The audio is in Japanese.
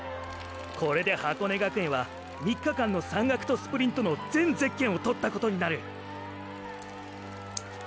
これで箱根学園は３日間の山岳とスプリントの全ゼッケンを獲ったことになる。